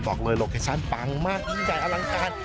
บอกเลยโลเคชั่นปังมากยิ่งใหญ่อลังการ